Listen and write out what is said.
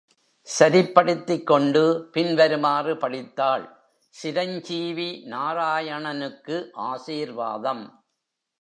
சரிப்படுத்திக் கொண்டு, பின்வருமாறு படித்தாள் சிரஞ்சீவி நாராயணனுக்கு ஆசீர்வாதம்.